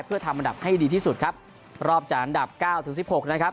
เพื่อทำอันดับให้ดีที่สุดครับรอบจากอันดับเก้าถึงสิบหกนะครับ